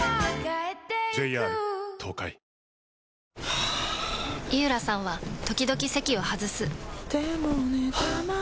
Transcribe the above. はぁ井浦さんは時々席を外すはぁ。